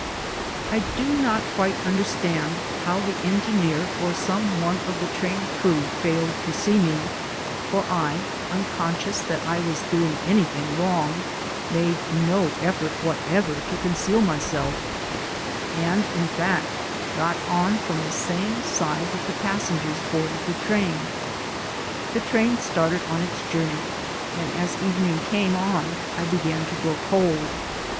I do not quite understand how the engineer or some one of the train crew failed to see me, for I, unconscious that I was doing anything wrong, made no effort whatever to conceal myself, and in fact, got on from the same side that the passengers boarded the train. The train started on its journey, and as evening came on I began to grow cold.